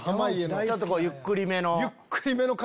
ちょっとゆっくりめの。